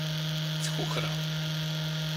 Tkukra.